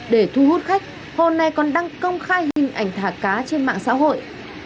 để thu hút khách hôm nay còn đăng công khai hình ảnh thả cá trên mạng xã hội